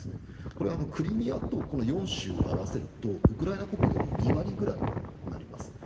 これはクリミアとこの４州を合わせるとウクライナ国土の２割くらいになります。